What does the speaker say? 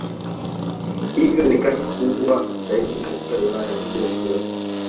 Hivyo ni kata kubwa zaidi katika Wilaya hiyo yote.